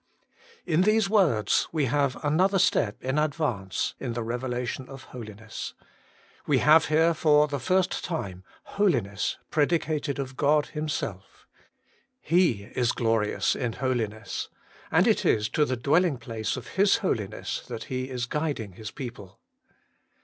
IN these words we have another step in advance in the revelation of Holiness. We have here for the first time Holiness predicated of God Him self. He is glorious in holiness : and it is to the dwelling place of His Holiness that He is guiding His people.